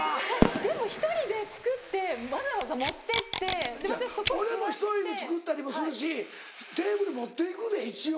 でも１人で作ってわざわざ持ってって。ちゃう俺も１人で作ったりもするしテーブル持っていくで一応。